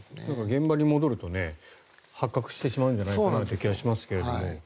現場に戻ると発覚してしまうんじゃないかって気がしますが。